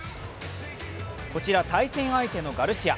こちら、対戦相手のガルシア。